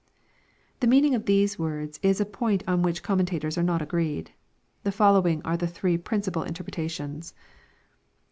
] The meaning of these words is a point oa which commentators are not agreed. The following are lie three principal interpretations.